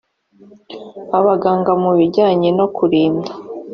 abaganga mu bijyanye no kurinda